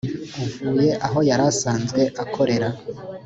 uvuye aho yari asanzwe akorera